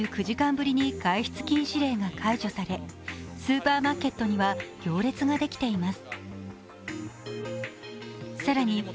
３９時間ぶりに外出禁止令が解除されスーパーマーケットには行列ができています。